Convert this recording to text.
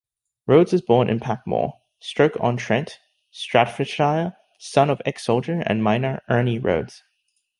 Rhodes was born in Packmoor, Stoke-on-Trent, Staffordshire, son of ex-soldier and miner Ernie Rhodes.